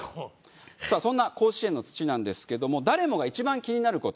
さあそんな甲子園の土なんですけども誰もが一番気になる事。